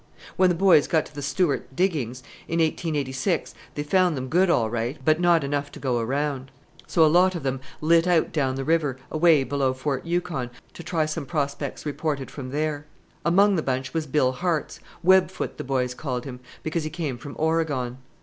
"When the boys got to the Stewart diggings, in 1886, they found them good all right, but not enough to go round; so a lot of them lit out down the river, away below Fort Yukon, to try some prospects reported from there. Among the bunch was Bill Hartz 'Web foot' the boys called him, because he came from Oregon.